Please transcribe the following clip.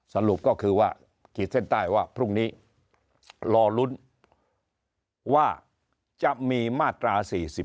สรุปก็คือว่าขีดเส้นใต้ว่าพรุ่งนี้รอลุ้นว่าจะมีมาตรา๔๔